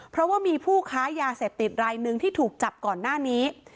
เพราะว่ามีผู้ค้ายาเสพติดรายหนึ่งที่ถูกจับก่อนหน้านี้